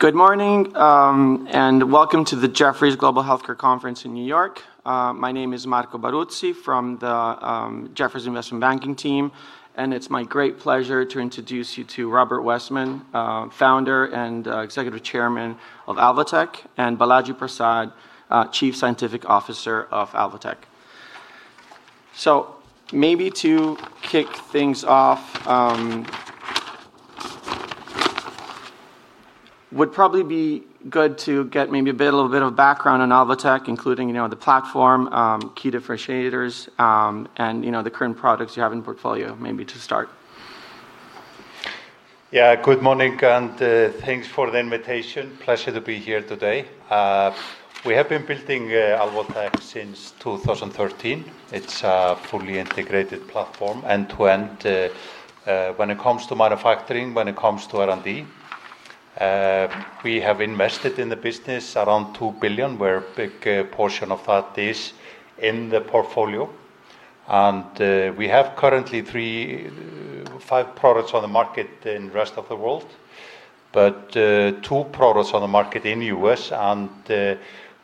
Good morning, welcome to the Jefferies Global Healthcare Conference in New York. My name is Marco Baruzzi from the Jefferies Investment Banking team, and it's my great pleasure to introduce you to Róbert Wessman, Founder and Executive Chairman of Alvotech, and Balaji Prasad, Chief Scientific Officer of Alvotech. Maybe to kick things off, would probably be good to get maybe a little bit of background on Alvotech, including the platform, key differentiators, and the current products you have in the portfolio, maybe to start. Good morning. Thanks for the invitation. Pleasure to be here today. We have been building Alvotech since 2013. It's a fully integrated platform, end-to-end when it comes to manufacturing, when it comes to R&D. We have invested in the business around $2 billion, where a big portion of that is in the portfolio. We have currently five products on the market in the rest of the world, but two products on the market in the U.S.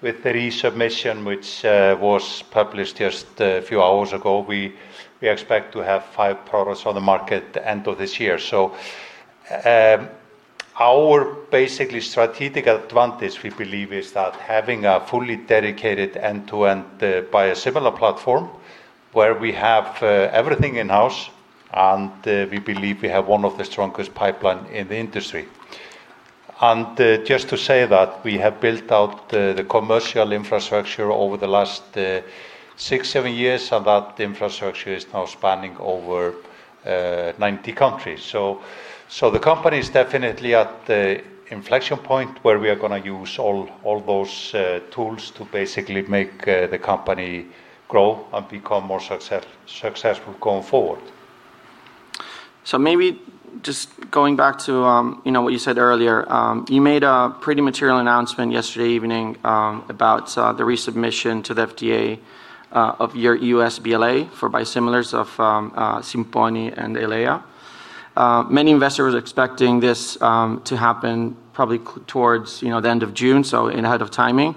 With the resubmission, which was published just a few hours ago, we expect to have five products on the market end of this year. Our basically strategic advantage, we believe, is that having a fully dedicated end-to-end biosimilar platform where we have everything in-house, we believe we have one of the strongest pipelines in the industry. Just to say that we have built out the commercial infrastructure over the last six, seven years, and that infrastructure is now spanning over 90 countries. The company is definitely at the inflection point where we are going to use all those tools to basically make the company grow and become more successful going forward. Maybe just going back to what you said earlier. You made a pretty material announcement yesterday evening about the resubmission to the FDA of your U.S. BLA for biosimilars of Simponi and Eylea. Many investors were expecting this to happen probably towards the end of June, ahead of timing.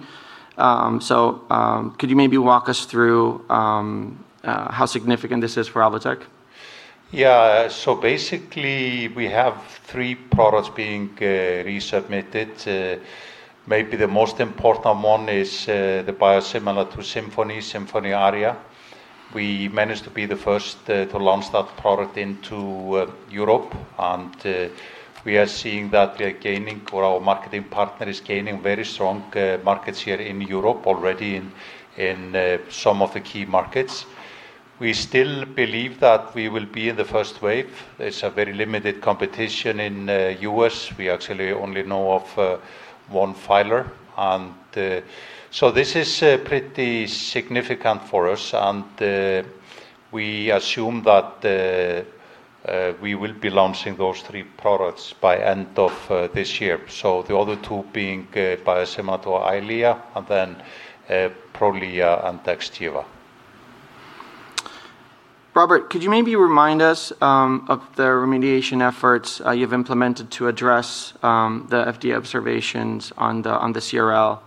Could you maybe walk us through how significant this is for Alvotech? Yeah. Basically, we have three products being resubmitted. Maybe the most important one is the biosimilar to Simponi Aria. We managed to be the first to launch that product into Europe, and we are seeing that our marketing partner is gaining very strong markets here in Europe already in some of the key markets. We still believe that we will be in the first wave. There's a very limited competition in the U.S. We actually only know of one filer. This is pretty significant for us, and we assume that we will be launching those three products by end of this year. The other two being biosimilar to Eylea, and then Prolia and Xgeva. Róbert, could you maybe remind us of the remediation efforts you've implemented to address the FDA observations on the CRL,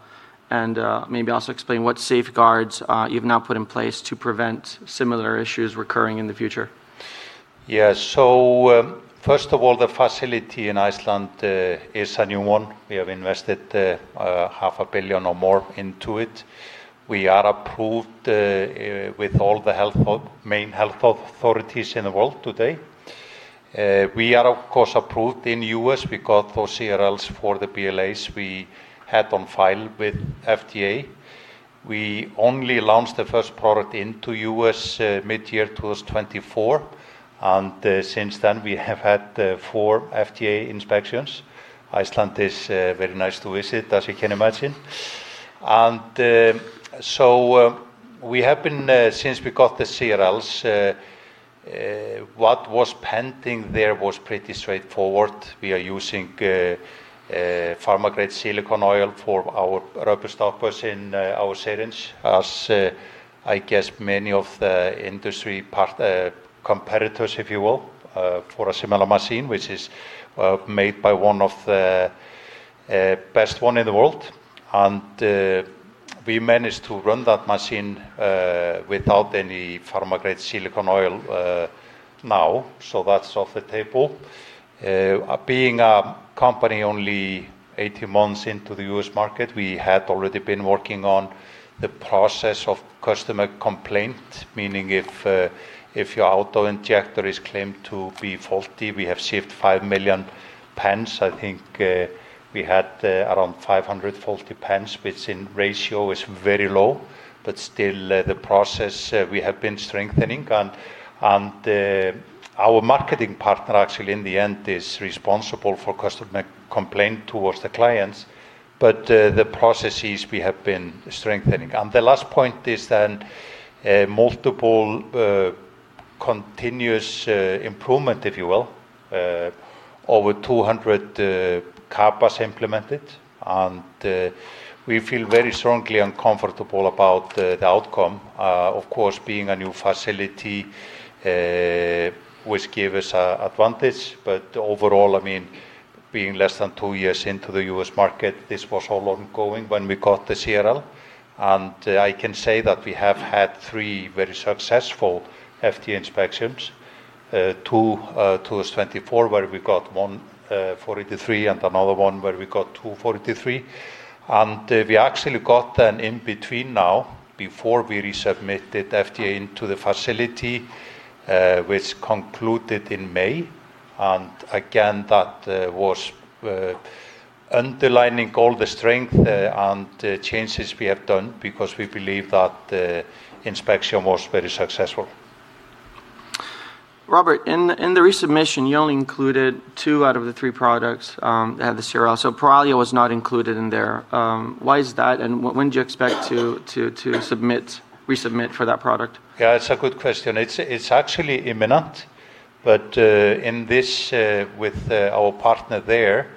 and maybe also explain what safeguards you've now put in place to prevent similar issues recurring in the future? First of all, the facility in Iceland is a new one. We have invested $half a billion or more into it. We are approved with all the main health authorities in the world today. We are, of course, approved in the U.S. We got those CRLs for the BLAs we had on file with FDA. We only launched the first product into U.S. mid-year 2024, and since then, we have had four FDA inspections. Iceland is very nice to visit, as you can imagine. We have been, since we got the CRLs, what was pending there was pretty straightforward. We are using pharma-grade silicone oil for our rubber stoppers in our syringe as, I guess, many of the industry competitors, if you will, for a similar machine, which is made by one of the best one in the world. We managed to run that machine without any pharma-grade silicone oil now, so that's off the table. Being a company only 18 months into the U.S. market, we had already been working on the process of customer complaint, meaning if your auto-injector is claimed to be faulty, we have shipped 5 million pens. I think we had around 500 faulty pens, which in ratio is very low, but still the process we have been strengthening. Our marketing partner actually in the end is responsible for customer complaint towards the clients, but the processes we have been strengthening. The last point is multiple continuous improvement, if you will. Over 200 CAPAs implemented, and we feel very strongly and comfortable about the outcome. Of course, being a new facility, which give us a advantage, but overall, I mean. Being less than two years into the U.S. market, this was all ongoing when we got the CRL, and I can say that we have had three very successful FDA inspections. Two as 2024, where we got one 483 and another one where we got two 483. We actually got an in-between now before we resubmitted FDA into the facility, which concluded in May. Again, that was underlining all the strength and changes we have done because we believe that the inspection was very successful. Róbert, in the resubmission, you only included two out of the three products that had the CRL, so Prolia was not included in there. Why is that, when do you expect to resubmit for that product? Yeah, it's a good question. It's actually imminent, but in this, with our partner there,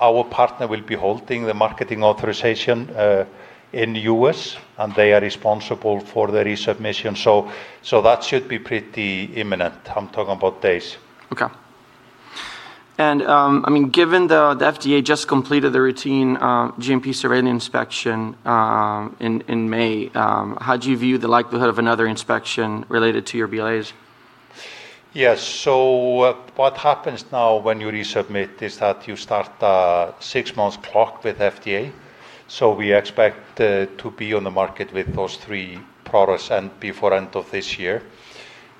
our partner will be holding the marketing authorization in the U.S., and they are responsible for the resubmission. That should be pretty imminent. I'm talking about days. Okay. Given the FDA just completed the routine GMP survey inspection in May, how do you view the likelihood of another inspection related to your BLAs? Yes. What happens now when you resubmit is that you start a six-month clock with FDA. We expect to be on the market with those three products and before end of this year.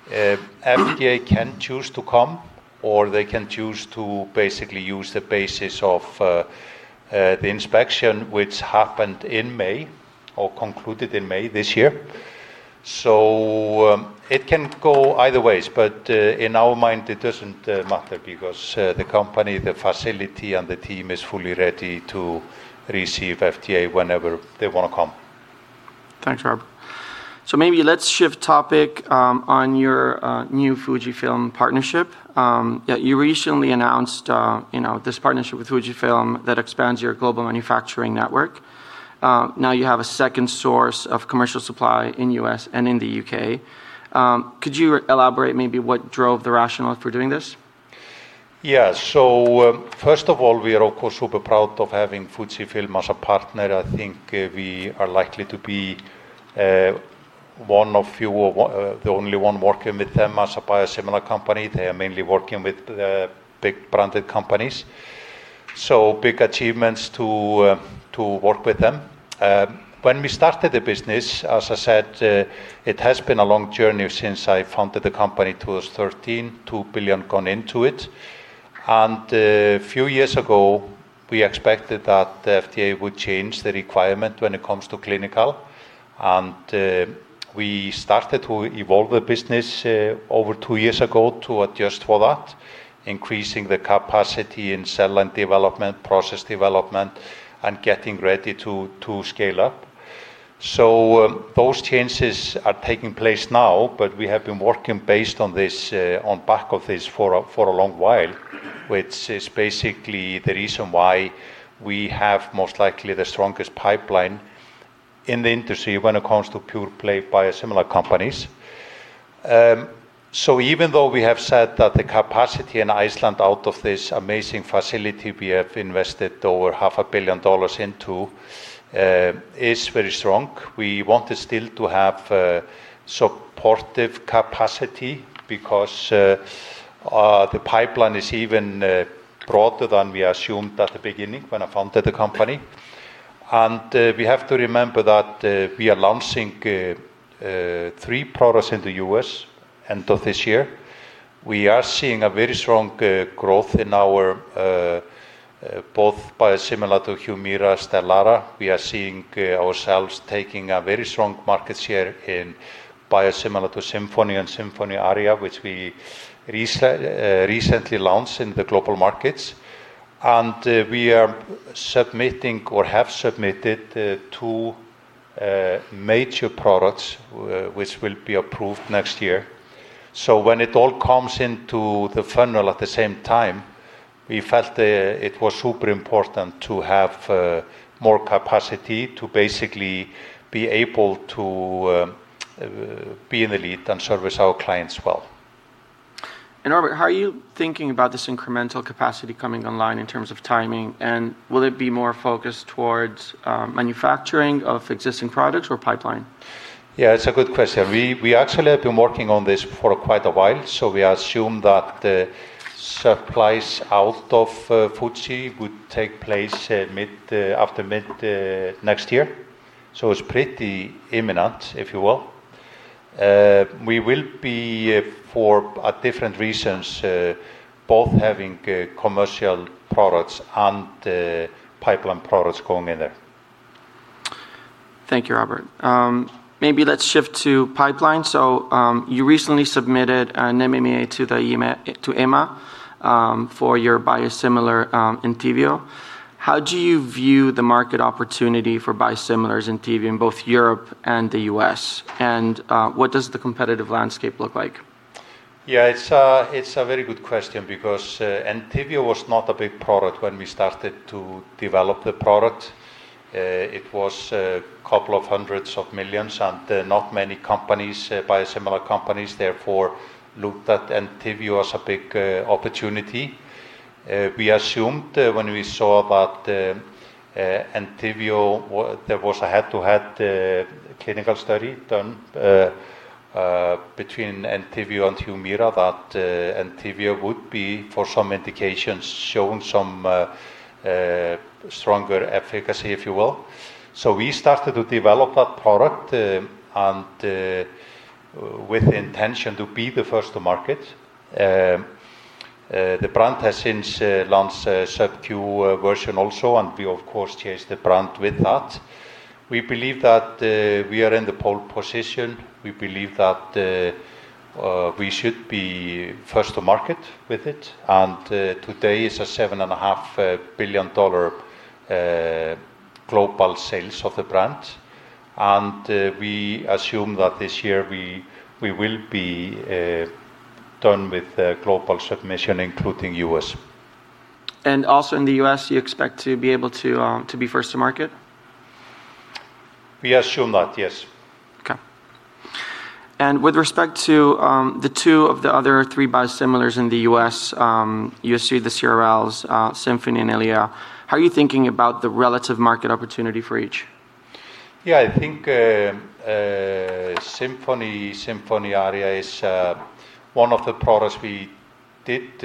FDA can choose to come, or they can choose to basically use the basis of the inspection which happened in May or concluded in May this year. It can go either ways, but in our mind it doesn't matter because the company, the facility, and the team is fully ready to receive FDA whenever they want to come. Thanks, Róbert. Maybe let's shift topic on your new Fujifilm partnership. You recently announced this partnership with Fujifilm that expands your global manufacturing network. Now you have a second source of commercial supply in the U.S. and in the U.K. Could you elaborate maybe what drove the rationale for doing this? Yeah. First of all, we are of course, super proud of having Fujifilm as a partner. I think we are likely to be one of few or the only one working with them as a biosimilar company. They are mainly working with big branded companies, big achievements to work with them. When we started the business, as I said, it has been a long journey since I founded the company, 2013, $2 billion gone into it. A few years ago, we expected that the FDA would change the requirement when it comes to clinical. We started to evolve the business over two years ago to adjust for that, increasing the capacity in cell and development, process development, and getting ready to scale up. Those changes are taking place now, but we have been working based on back of this for a long while, which is basically the reason why we have most likely the strongest pipeline in the industry when it comes to pure-play biosimilar companies. Even though we have said that the capacity in Iceland out of this amazing facility we have invested over half a billion dollars into, is very strong, we wanted still to have supportive capacity because the pipeline is even broader than we assumed at the beginning when I founded the company. We have to remember that we are launching three products in the U.S. end of this year. We are seeing a very strong growth both biosimilar to HUMIRA, STELARA. We are seeing ourselves taking a very strong market share in biosimilar to Simponi and Simponi Aria, which we recently launched in the global markets. We are submitting or have submitted two major products, which will be approved next year. When it all comes into the funnel at the same time, we felt it was super important to have more capacity to basically be able to be in the lead and service our clients well. Róbert, how are you thinking about this incremental capacity coming online in terms of timing, and will it be more focused towards manufacturing of existing products or pipeline? Yeah, it's a good question. We actually have been working on this for quite a while, so we assume that the supplies out of Fuji would take place after mid next year, so it's pretty imminent, if you will. We will be for different reasons, both having commercial products and pipeline products going in there. Thank you, Róbert. Maybe let's shift to pipeline. You recently submitted an MAA to EMA for your biosimilar ENTYVIO. How do you view the market opportunity for biosimilars ENTYVIO in both Europe and the U.S., and what does the competitive landscape look like? Yeah, it's a very good question because ENTYVIO was not a big product when we started to develop the product. It was a couple of hundreds of millions and not many companies buy similar companies, therefore looked at ENTYVIO as a big opportunity. We assumed when we saw that there was a head-to-head clinical study done between ENTYVIO and HUMIRA that ENTYVIO would be, for some indications, showing some stronger efficacy, if you will. We started to develop that product and with intention to be the first to market. The brand has since launched a subQ version also. We of course chased the brand with that. We believe that we are in the pole position. We believe that we should be first to market with it. Today is a $7.5 billion global sales of the brand. We assume that this year we will be done with the global submission, including U.S. Also in the U.S., you expect to be able to be first to market? We assume that, yes. Okay. With respect to the two of the other three biosimilars in the U.S., the CRLs, Simponi and Eylea, how are you thinking about the relative market opportunity for each? Yeah, I think Simponi Aria is one of the products we did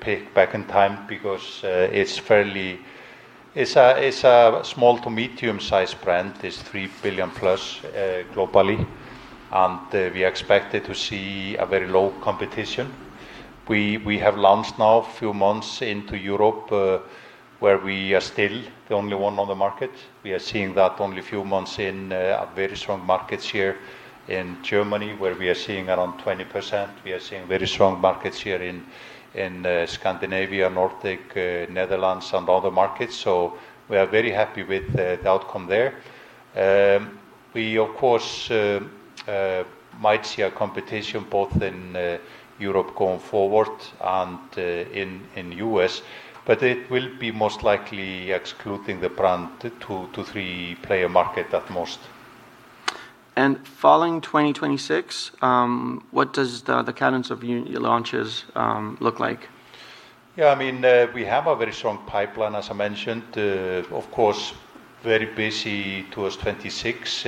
pick back in time because it's a small to medium-sized brand. It's $3 billion-plus globally. We expected to see a very low competition. We have launched now a few months into Europe, where we are still the only one on the market. We are seeing that only a few months in our very strong markets here in Germany, where we are seeing around 20%. We are seeing very strong markets here in Scandinavia, Nordic, Netherlands, and other markets. We are very happy with the outcome there. We, of course, might see a competition both in Europe going forward and in U.S., but it will be most likely excluding the brand, two, three-player market at most. Following 2026, what does the cadence of your launches look like? Yeah, we have a very strong pipeline, as I mentioned. Of course, very busy towards 2026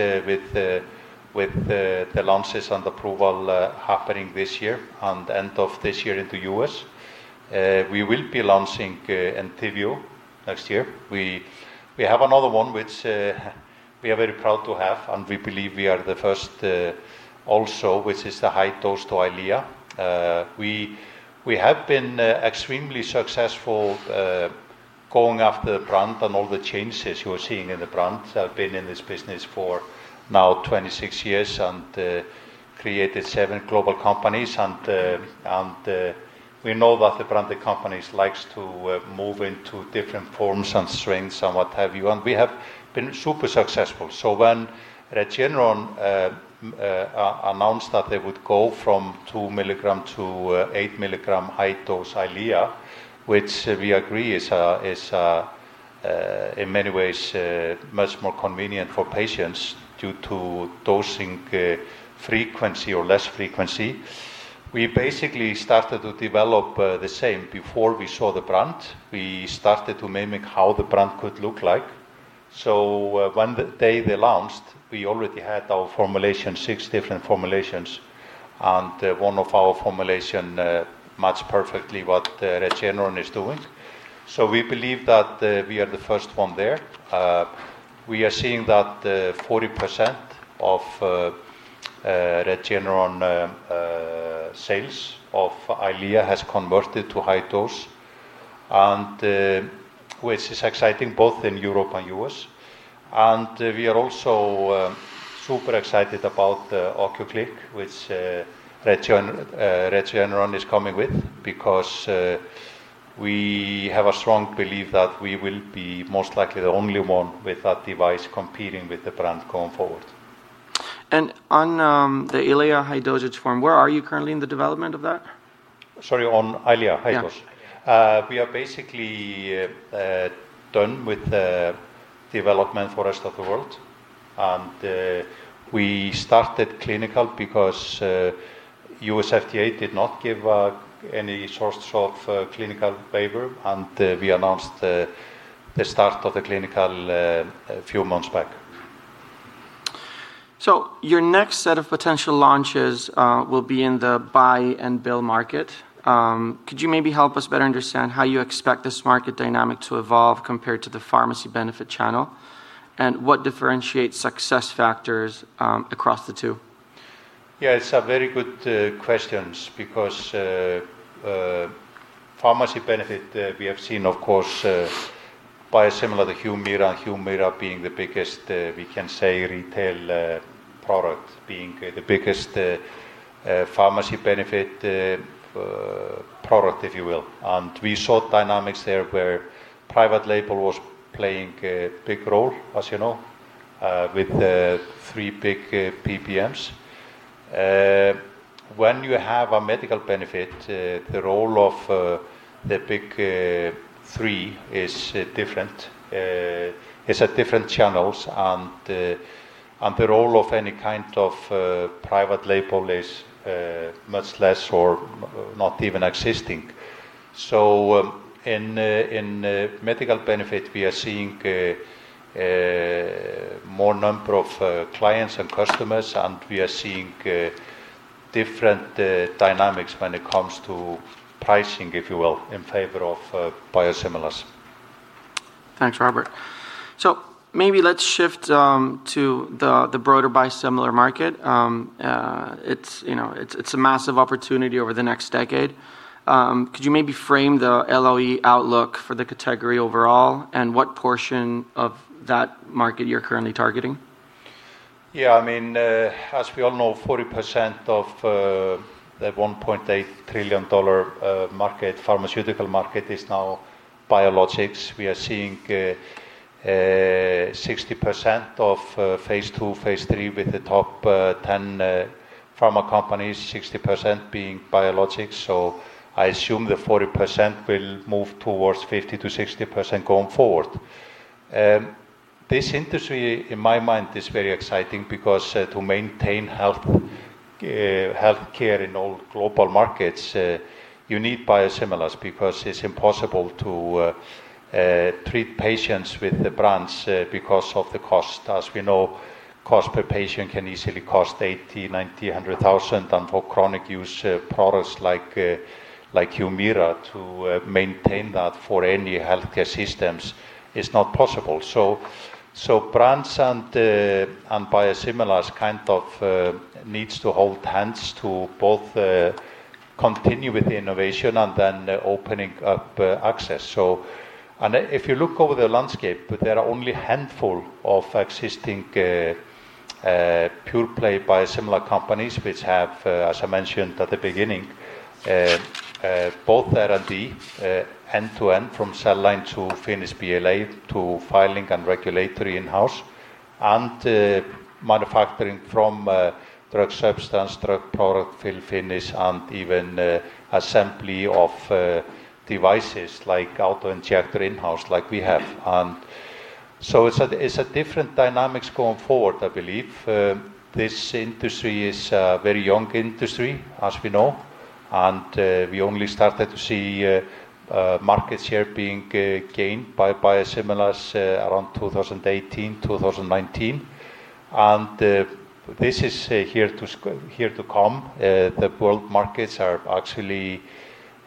with the launches and approval happening this year and end of this year into U.S. We will be launching ENTYVIO next year. We have another one which we are very proud to have, and we believe we are the first also, which is the high dose to Eylea. We have been extremely successful going after the brand and all the changes you are seeing in the brand. I've been in this business for now 26 years and created seven global companies. We know that the branded companies like to move into different forms and strengths and what have you. We have been super successful. When Regeneron announced that they would go from two milligram to eight milligram high-dose Eylea, which we agree is in many ways much more convenient for patients due to dosing frequency or less frequency, we basically started to develop the same before we saw the brand. We started to mimic how the brand could look like. When the day they launched, we already had our formulation, six different formulations, and one of our formulation matched perfectly what Regeneron is doing. We believe that we are the first one there. We are seeing that 40% of Regeneron sales of Eylea has converted to high dose, which is exciting both in Europe and U.S. We are also super excited about the Eylea, which Regeneron is coming with, because we have a strong belief that we will be most likely the only one with that device competing with the brand going forward. On the Eylea high dosage form, where are you currently in the development of that? Sorry, on Eylea high dose? Yeah. We are basically done with the development for rest of the world. We started clinical because U.S. FDA did not give any sorts of clinical favor, and we announced the start of the clinical a few months back. Your next set of potential launches will be in the buy and bill market. Could you maybe help us better understand how you expect this market dynamic to evolve compared to the pharmacy benefit channel? What differentiates success factors across the two? Yeah, it's a very good questions because pharmacy benefit we have seen, of course, biosimilar to HUMIRA, and HUMIRA being the biggest, we can say retail product, being the biggest pharmacy benefit product, if you will. We saw dynamics there where private label was playing a big role, as you know, with the three big PBMs. When you have a medical benefit, the role of the big three is different. It's at different channels, and the role of any kind of private label is much less or not even existing. In medical benefit, we are seeing more number of clients and customers, and we are seeing different dynamics when it comes to pricing, if you will, in favor of biosimilars. Thanks, Róbert. Maybe let's shift to the broader biosimilar market. It's a massive opportunity over the next decade. Could you maybe frame the LOE outlook for the category overall and what portion of that market you're currently targeting? Yeah. As we all know, 40% of the $1.8 trillion pharmaceutical market is now biologics. We are seeing 60% of phase II, phase III with the top 10 pharma companies, 60% being biologics. I assume the 40% will move towards 50%-60% going forward. This industry, in my mind, is very exciting because to maintain healthcare in all global markets you need biosimilars, because it's impossible to treat patients with the brands because of the cost. As we know, cost per patient can easily cost $80,000, $90,000, $100,000. For chronic use products like HUMIRA, to maintain that for any healthcare systems is not possible. Brands and biosimilars kind of needs to hold hands to both continue with the innovation and then opening up access. If you look over the landscape, there are only handful of existing pure-play biosimilar companies which have, as I mentioned at the beginning, both R&D end-to-end from cell line to finished BLA to filing and regulatory in-house and manufacturing from drug substance, drug product fill finish, and even assembly of devices like auto-injector in-house like we have. It's a different dynamics going forward, I believe. This industry is a very young industry, as we know, and we only started to see market share being gained by biosimilars around 2018, 2019. This is here to come. The world markets are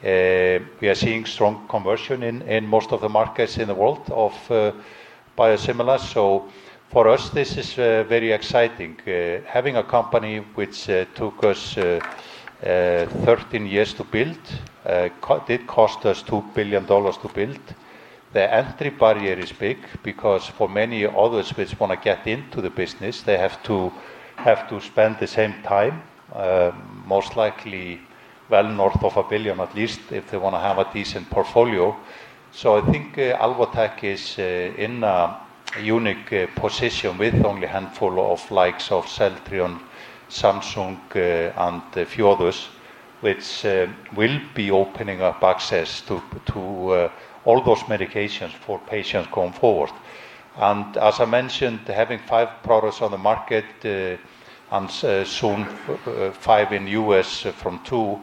We are seeing strong conversion in most of the markets in the world of biosimilars. For us, this is very exciting. Having a company which took us 13 years to build, did cost us $2 billion to build. The entry barrier is big because for many others which want to get into the business, they have to spend the same time, most likely well north of $1 billion at least, if they want to have a decent portfolio. I think Alvotech is in a unique position with only a handful of likes of Celltrion, Samsung, and a few others, which will be opening up access to all those medications for patients going forward. As I mentioned, having five products on the market, and soon five in U.S. from two,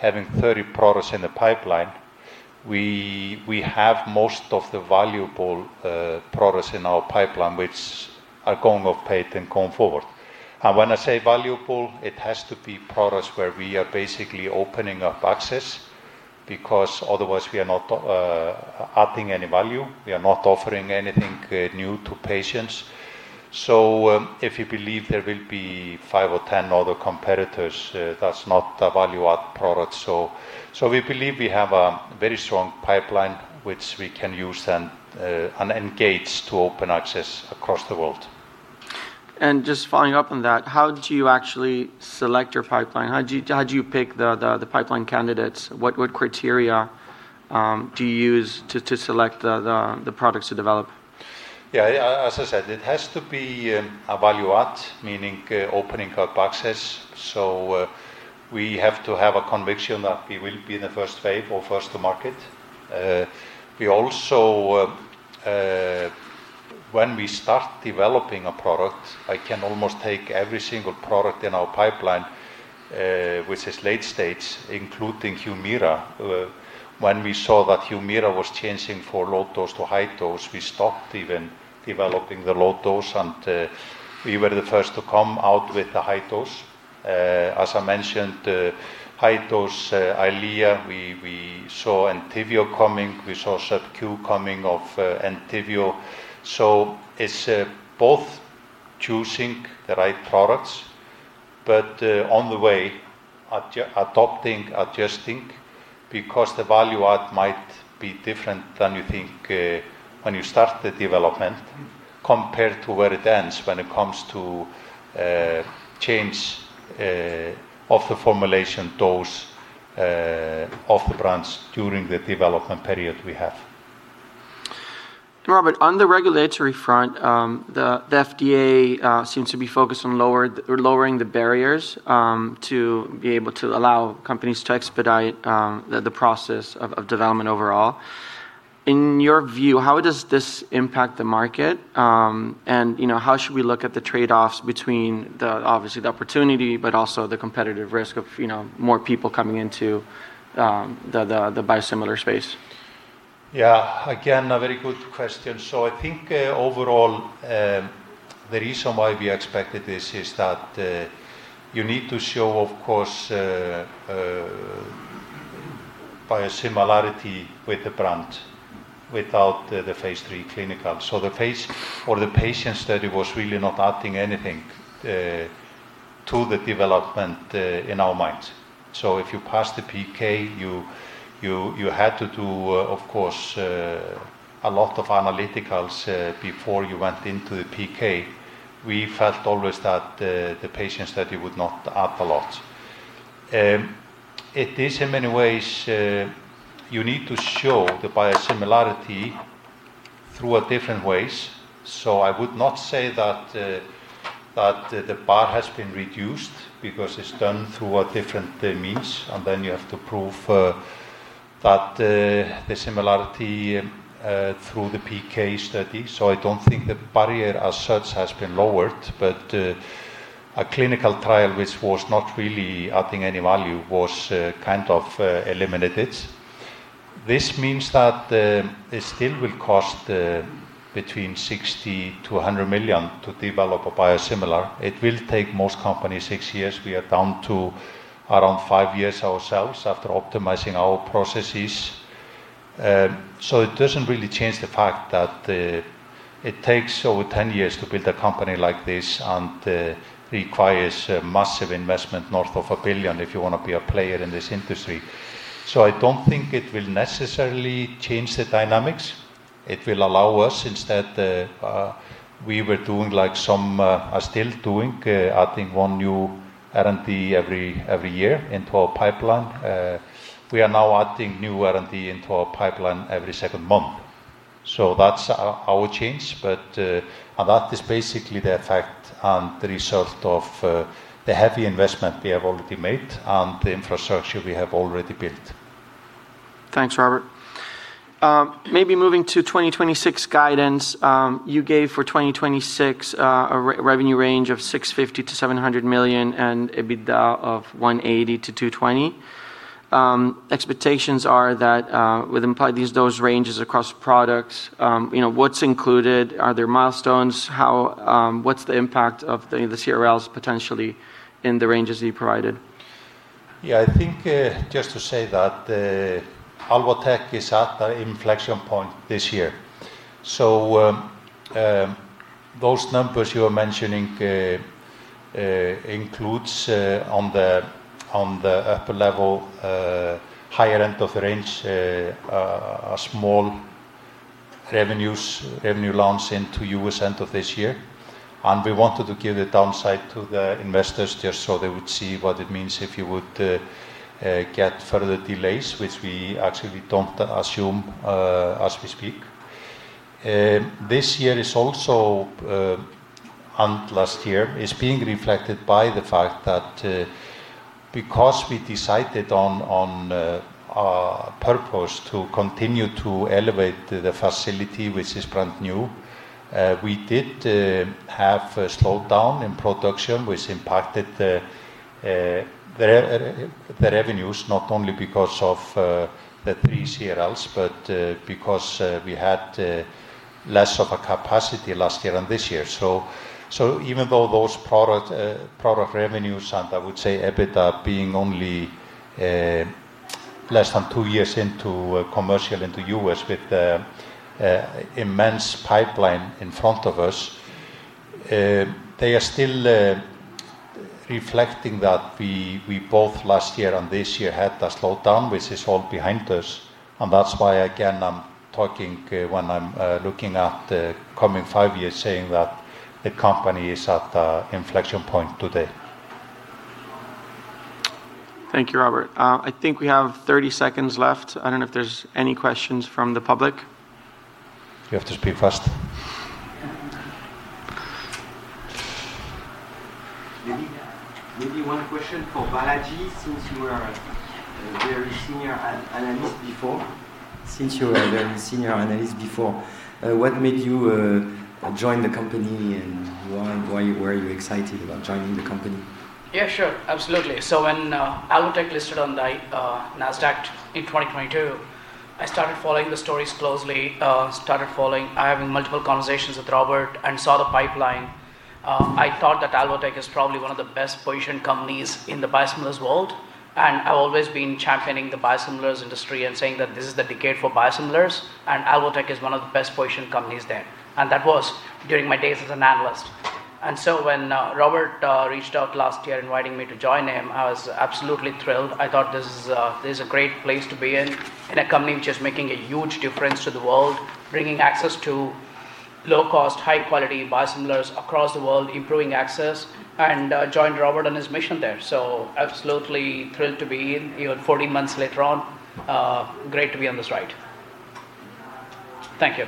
having 30 products in the pipeline, we have most of the valuable products in our pipeline which are going off patent going forward. When I say valuable, it has to be products where we are basically opening up access, because otherwise we are not adding any value. We are not offering anything new to patients. If you believe there will be five or 10 other competitors, that's not a value-add product. We believe we have a very strong pipeline which we can use and engage to open access across the world. Just following up on that, how do you actually select your pipeline? How do you pick the pipeline candidates? What criteria do you use to select the products to develop? Yeah. As I said, it has to be a value add, meaning opening up access. We have to have a conviction that we will be in the first wave or first to market. When we start developing a product, I can almost take every single product in our pipeline which is late stage, including HUMIRA. When we saw that HUMIRA was changing for low dose to high dose, we stopped even developing the low dose and we were the first to come out with the high dose. As I mentioned, high dose EYLEA, we saw ENTYVIO coming, we saw subQ coming of ENTYVIO. It's both choosing the right products, but on the way, adopting, adjusting, because the value add might be different than you think when you start the development compared to where it ends when it comes to change of the formulation dose of the brands during the development period. Róbert, on the regulatory front, the FDA seems to be focused on lowering the barriers to be able to allow companies to expedite the process of development overall. In your view, how does this impact the market? How should we look at the trade-offs between obviously the opportunity, but also the competitive risk of more people coming into the biosimilar space? Again, a very good question. I think overall, the reason why we expected this is that you need to show, of course, biosimilarity with the brand without the phase III clinical. The phase for the patient study was really not adding anything to the development in our minds. If you pass the PK, you had to do, of course, a lot of analyticals before you went into the PK. We felt always that the patient study would not add a lot. It is in many ways you need to show the biosimilarity through different ways. I would not say that the bar has been reduced because it's done through a different means, and then you have to prove that the similarity through the PK study. I don't think the barrier as such has been lowered, but a clinical trial which was not really adding any value was kind of eliminated. This means that it still will cost between $60 million-$100 million to develop a biosimilar. It will take most companies six years. We are down to around five years ourselves after optimizing our processes. It doesn't really change the fact that it takes over 10 years to build a company like this and requires a massive investment north of $1 billion if you want to be a player in this industry. I don't think it will necessarily change the dynamics. It will allow us instead, we were doing like some are still doing, adding one new R&D every year into our pipeline. We are now adding new R&D into our pipeline every second month. That's our change, but that is basically the effect and the result of the heavy investment we have already made and the infrastructure we have already built. Thanks, Róbert. Maybe moving to 2026 guidance. You gave for 2026 a revenue range of $650 million-$700 million and EBITDA of $180 million-$220 million. Expectations are that with implied those ranges across products, what's included? Are there milestones? What's the impact of the CRLs potentially in the ranges you provided? I think just to say that Alvotech is at an inflection point this year. Those numbers you are mentioning includes on the upper level, higher end of range, a small revenue launch into U.S. end of this year, and we wanted to give the downside to the investors just so they would see what it means if you would get further delays, which we actually don't assume as we speak. This year is also, and last year, is being reflected by the fact that because we decided on purpose to continue to elevate the facility, which is brand new we did have a slowdown in production, which impacted the revenues, not only because of the 3 CRLs, but because we had less of a capacity last year than this year. Even though those product revenues, and I would say EBITDA being only less than two years into commercial into U.S. with the immense pipeline in front of us they are still reflecting that we both last year and this year had a slowdown, which is all behind us. That's why, again, I'm talking when I'm looking at the coming five years saying that the company is at an inflection point today. Thank you, Róbert. I think we have 30 seconds left. I don't know if there's any questions from the public. You have to speak fast. Maybe one question for Balaji, since you were a very senior analyst before. What made you join the company, and why were you excited about joining the company? Yeah, sure. Absolutely. When Alvotech listed on Nasdaq in 2022, I started following the stories closely, having multiple conversations with Róbert and saw the pipeline. I thought that Alvotech is probably one of the best positioned companies in the biosimilars world, and I've always been championing the biosimilars industry and saying that this is the decade for biosimilars and Alvotech is one of the best positioned companies there. That was during my days as an analyst. When Róbert reached out last year inviting me to join him, I was absolutely thrilled. I thought, "This is a great place to be in a company which is making a huge difference to the world, bringing access to low-cost, high-quality biosimilars across the world, improving access," and joined Róbert on his mission there. Absolutely thrilled to be in, even 14 months later on. Great to be on this ride. Thank you.